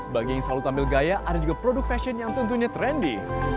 bagi yang selalu tampil gaya ada juga produk fashion yang tentunya trendy